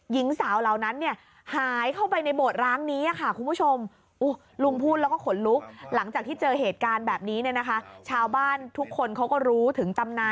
หญิงสาวเหล่านั้นเนี่ยหายเข้าไปในโบสถ์ร้างนี้ค่ะคุณผู้ชม